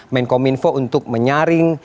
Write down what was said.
menkominfo untuk menyaring